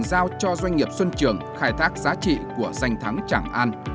giao cho doanh nghiệp xuân trường khai thác giá trị của danh thắng tràng an